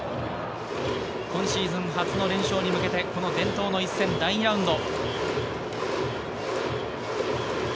今シーズン初の練習に向けて伝統の一戦、第２ラウンド。